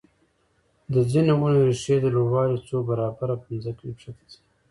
د ځینو ونو ریښې د لوړوالي څو برابره په ځمکه کې ښکته ځي.